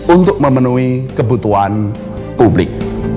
untuk memenuhi kebutuhan publik